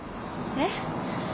えっ？